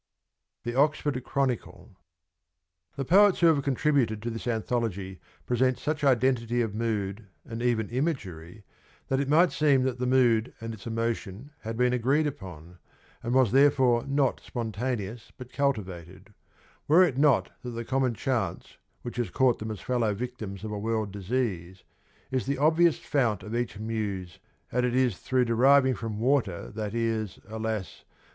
THE OXFORD CHRONICLE. The poets who have contributed to this anthology present such identity of mood and even imagery that it might seem that the mood and its emotion had been agreed upon, and was therefore not spontaneous but cultivated, were it not that the common chance which has caught them as fellow victims of a world disease is the obvious fount of each muse, and it is through deriving from water that is, alas